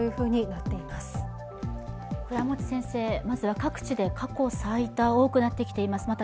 まずは各地で過去最多、多くなってきています。